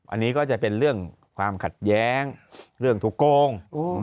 อันนี้ก็จะเป็นเรื่องความขัดแย้งเรื่องทุกโกง